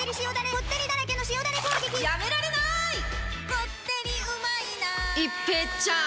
こってりうまいな一平ちゃーん！